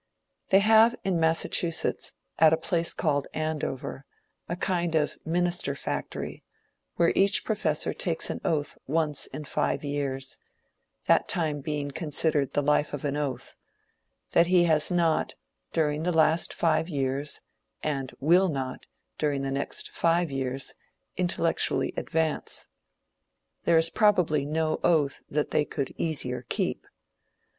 They have, in Massachusetts, at a place called Andover, a kind of minister factory, where each professor takes an oath once in five years that time being considered the life of an oath that he has not, during the last five years, and will not, during the next five years, intellectually advance. There is probably no oath that they could easier keep.